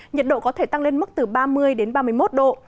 nhiệt độ có thể tăng lên mức từ ba mươi đến ba mươi một độ